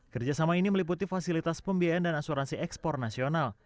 kerjasama ini meliputi fasilitas pembiayaan dan asuransi ekspor nasional